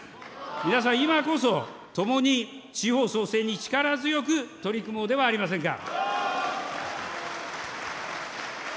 皆さん、今こそ共に地方創生に力強く取り組もうではありませんか。